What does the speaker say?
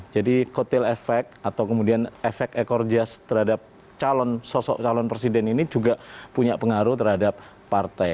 jadi kotil efek atau kemudian efek ekor jas terhadap calon sosok calon presiden ini juga punya pengaruh terhadap partai